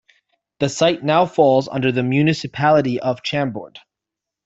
The site now falls under the municipality of Chambord.